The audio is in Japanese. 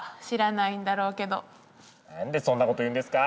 なんでそんなこと言うんですか！